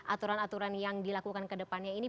aturan aturan yang dilakukan ke depannya ini